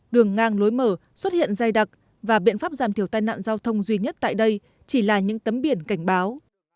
đường ngang lối mở xuất hiện dày đặc và biện pháp giảm thiểu tai nạn giao thông duy nhất tại đây chỉ là những tấm biển cảnh báo